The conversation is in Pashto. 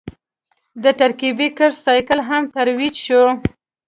د ترکیبي کښت سایکل هم ترویج شو.